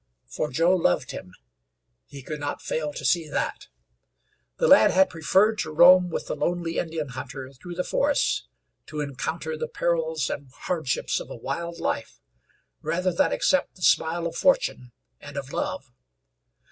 For Joe loved him; he could not fail to see that. The lad had preferred to roam with the lonely Indian hunter through the forests, to encounter the perils and hardships of a wild life, rather than accept the smile of fortune and of love.